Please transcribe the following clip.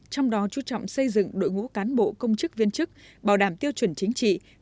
trong đó chú trọng xây dựng đội ngũ cán bộ công chức viên chức bảo đảm tiêu chuẩn chính trị